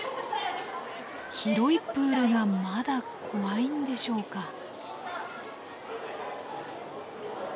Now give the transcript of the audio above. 広いプールがまだ怖いんでしょうか。